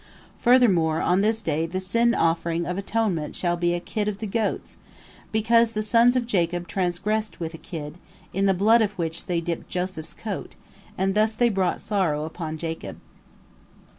Furthermore, on this day the sin offering of atonement shall be a kid of the goats, because the sons of Jacob transgressed with a kid, in the blood of which they dipped Joseph's coat, and thus they brought sorrow upon Jacob.